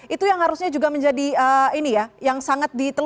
itu yang harusnya juga menjadi ini ya yang sangat ditelusurkan